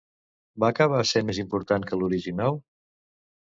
Va acabar sent més important que l'original?